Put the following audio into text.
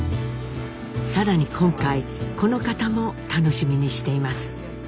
更に今回この方も楽しみにしています。